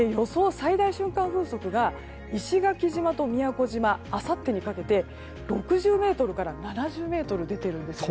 最大瞬間風速が石垣島と宮古島あさってにかけて６０メートルから７０メートル出ているんですね。